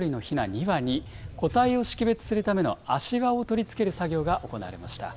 ２羽に、個体を識別するための足環を取り付ける作業が行われました。